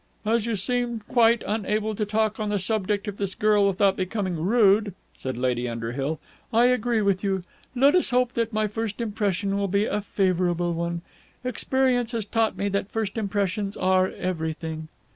"As you seem quite unable to talk on the subject of this girl without becoming rude," said Lady Underhill, "I agree with you. Let us hope that my first impression will be a favourable one. Experience has taught me that first impressions are everything."